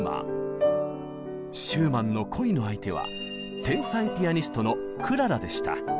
シューマンの恋の相手は天才ピアニストのクララでした。